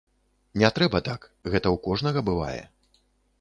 Не трэба так, гэта ў кожнага бывае.